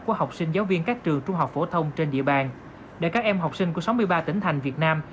của học sinh giáo viên các trường trung học phổ thông trên địa bàn để các em học sinh của sáu mươi ba tỉnh thành việt nam